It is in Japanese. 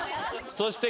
そして。